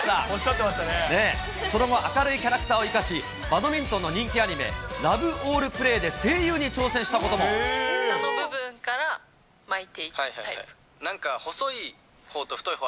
その後、明るいキャラクターを生かし、バドミントンの人気アニメ、ラブオールプレーで声優に下の部分から巻いていくタイプ。